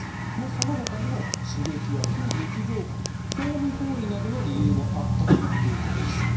そのほかにも刺激や非日常感興味本位などの理由もあったということです。